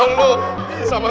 aku mau simpen ali